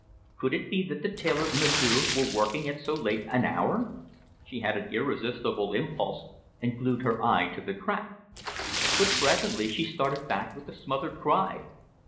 Could it be that the tailor and M'sieu' were working at so late an hour? She had an irresistible impulse, and glued her eye to the crack. But presently she started back with a smothered cry.